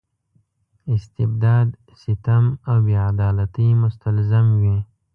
استبداد ستم او بې عدالتۍ مستلزم وي.